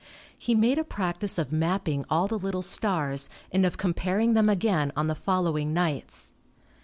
He made a practice of map ping all the little stars and of comparing them again on the following nights.